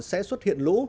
sẽ xuất hiện lũ